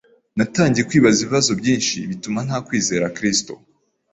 natangiye kwibaza ibibazo byinshi bituma nta kwizera Kristo.